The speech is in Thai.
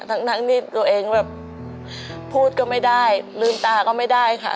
ทั้งที่ตัวเองแบบพูดก็ไม่ได้ลืมตาก็ไม่ได้ค่ะ